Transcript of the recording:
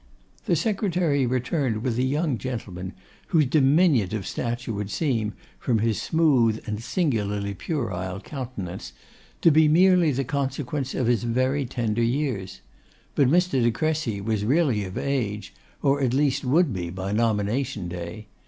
The secretary returned with a young gentleman, whose diminutive stature would seem, from his smooth and singularly puerile countenance, to be merely the consequence of his very tender years; but Mr. De Crecy was really of age, or at least would be by nomination day.